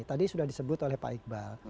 tadi sudah disebut oleh pak iqbal